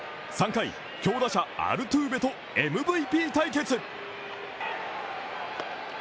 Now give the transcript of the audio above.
３回、強打者アルトゥーベとМＶＰ対決。